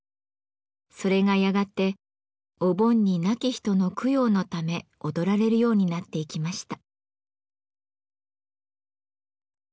それがやがてお盆に亡き人の供養のため踊られるようになっていきました。